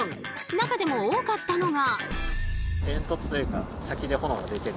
中でも多かったのが。